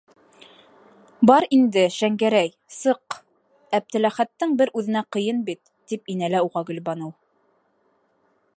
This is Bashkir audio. Бар инде, Шәңгәрәй, сыҡ, Әптеләхәттең бер үҙенә ҡыйын бит, - тип инәлә уға Гөлбаныу.